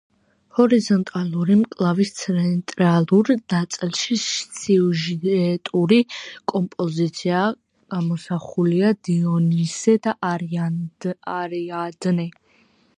ჰორიზონტალური მკლავის ცენტრალურ ნაწილში სიუჟეტური კომპოზიციაა: გამოსახულია დიონისე და არიადნე.